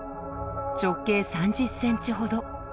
直径３０センチほど。